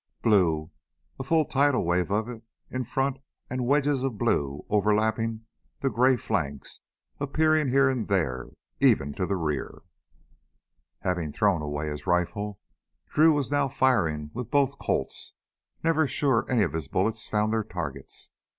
Blue a full tidal wave of it in front and wedges of blue overlapping the gray flanks and appearing here and there even to the rear Having thrown away his rifle, Drew was now firing with both Colts, never sure any of his bullets found their targets.